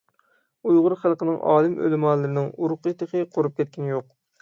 ئۇيغۇر خەلقىنىڭ ئالىم - ئۆلىمالىرىنىڭ ئۇرۇقى تېخى قۇرۇپ كەتكىنى يوق.